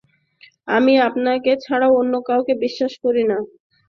আমি আপনাকে ছাড়া অন্য কাউকে বিশ্বাস করি না।